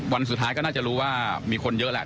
วันสุดท้ายก็น่าจะรู้ว่ามีคนเยอะแหละ